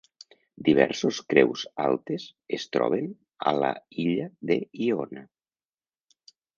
Diversos creus altes es troben a la illa de Iona.